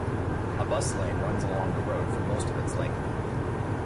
A bus lane runs along the road for most of its length.